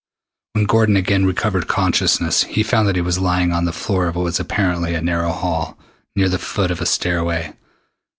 When Gordon again recovered consciousness he found that he was lying on the floor of what was apparently a narrow hall, near the foot of a stairway.